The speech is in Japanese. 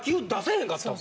へんかったもん。